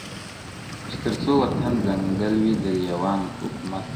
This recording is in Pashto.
• چي تر څو وطن ځنګل وي، د لېوانو حکومت وي -